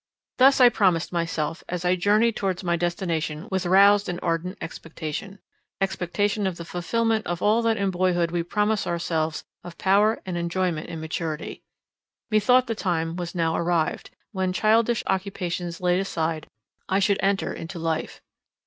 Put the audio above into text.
Thus I promised myself, as I journied towards my destination with roused and ardent expectation: expectation of the fulfilment of all that in boyhood we promise ourselves of power and enjoyment in maturity. Methought the time was now arrived, when, childish occupations laid aside, I should enter into life.